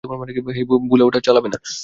হেই, ভুলেও ওটা চালাবে না।